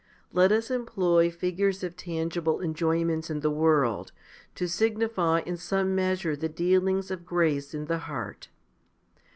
Let us employ figures of tangible enjoyments in the world, to signify in some measure the dealings of grace in the heart.